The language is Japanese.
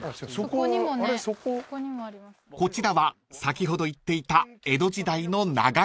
［こちらは先ほど言っていた江戸時代の長屋です］